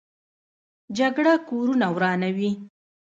جګړه کورونه ورانوي